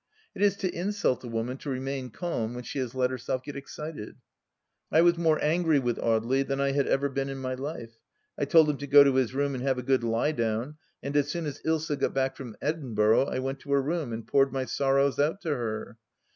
It is to insult a woman to remain calm when she has let her self get excited. I was more angry with Audely than I had ever been in my life. I told him to go to his room and have a good lie down, and as soon as Ilsa got back from Edin burgh I went to her room, and poured my sorrows out to her.